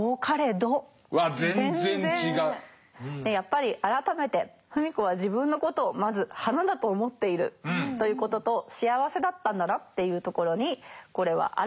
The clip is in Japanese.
やっぱり改めて芙美子は自分のことをまず花だと思っているということと幸せだったんだなっていうところにこれは表れてると思います。